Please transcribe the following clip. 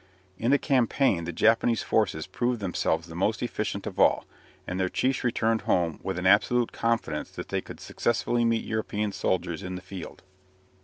In the campaign the Japanese forces proved themselves the most efficient of all, and their chiefs returned home with an absolute confidence that they could successfully meet European soldiers in the field.